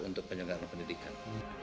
untuk penyelenggara pendidikan